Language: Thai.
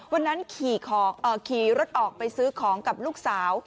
วันนั้นขี่รถออกไปซื้อของกับลูกสาว